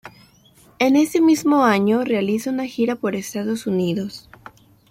En ese mismo año realiza una gira por Estados Unidos.